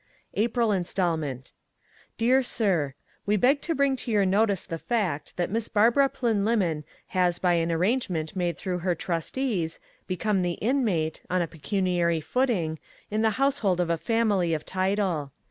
APRIL INSTALMENT Dear Sir: We beg to bring to your notice the fact that Miss Barbara Plynlimmon has by an arrangement made through her trustees become the inmate, on a pecuniary footing, in the household of a family of title.